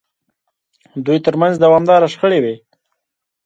دوی ترمنځ دوامداره شخړې وې.